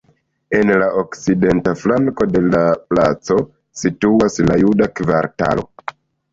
En la okcidenta flanko de la placo situas la juda kvartalo.